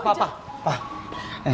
pak pak pak